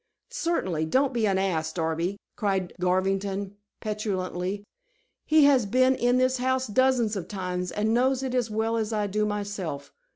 "Certainly; don't be an ass, Darby," cried Garvington petulantly. "He has been in this house dozens of times and knows it as well as I do myself.